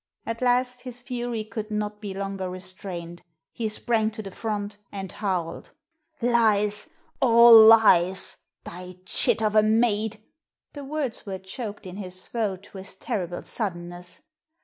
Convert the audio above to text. At last his fury could not be longer restrained; he sprang to the front, and howled: "Lies, all lies! Thy chit of a maid " The words were choked in his throat with terrible suddenness.